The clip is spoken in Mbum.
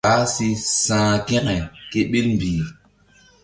Ŋgi̧-u baah si sa̧h kȩke ke ɓil mbih.